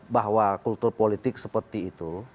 bahwa kultur politik seperti itu